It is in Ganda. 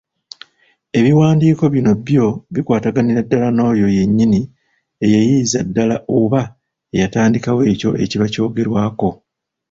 Ebiwandiiko bino byo bikwataganira ddala n’oyo yennyini eyayiiyiza ddala oba eyatandikawo ekyo ekiba kyogerwako.